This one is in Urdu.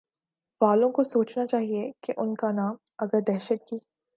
والوں کو سوچنا چاہیے کہ ان کانام اگر دہشت کی